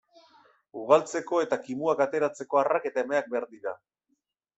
Ugaltzeko eta kimuak ateratzeko arrak eta emeak behar dira.